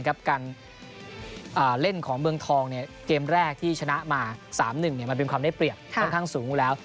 การเล่นของเมืองทองเกมแรกที่ชนะมา๓๑มันเป็นความได้เปรียบค่อนข้างสูงอยู่แล้ว